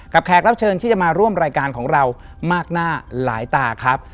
แขกรับเชิญที่จะมาร่วมรายการของเรามากหน้าหลายตาครับ